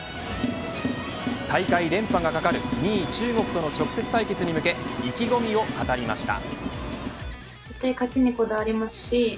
大会連覇が懸かる２位中国との直接対決に向け意気込みを語りました。